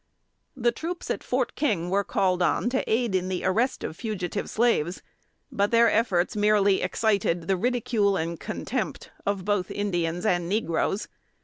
] The troops at Fort King were called on to aid in the arrest of fugitive slaves; but their efforts merely excited the ridicule and contempt of both Indiana and negroes.